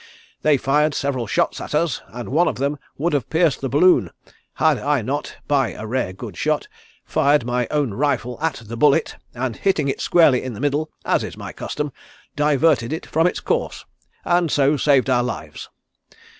They fired several shots at us, and one of them would have pierced the balloon had I not, by a rare good shot, fired my own rifle at the bullet, and hitting it squarely in the middle, as is my custom, diverted it from its course, and so saved our lives.